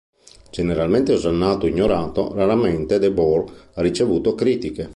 Generalmente osannato o ignorato, raramente Debord ha ricevuto critiche.